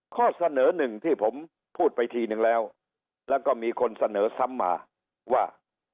ข้อเสนอหนึ่งที่ผมพูดไปทีนึงแล้วแล้วก็มีคนเสนอซ้ำมาว่า